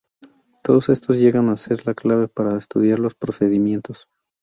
Todos estos llegan a ser la clave para estudiar los procedimientos.